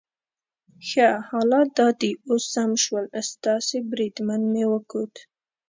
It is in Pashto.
ښه، حالات دا دي اوس سم شول، ستاسي بریدمن مې وکوت.